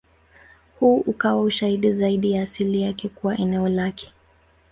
Huu ukawa ushahidi zaidi wa asili yake kuwa eneo lake.